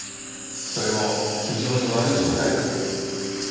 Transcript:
それも非常に悪い状態です。